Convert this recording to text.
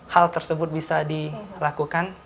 hal tersebut bisa dilakukan